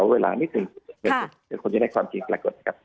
ขอเวลานิดนึงเดี๋ยวถึงในความคิดมากกว่านะครับ